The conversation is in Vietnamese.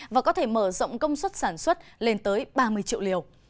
và có thể mở rộng công suất sản xuất lên tới ba mươi triệu liều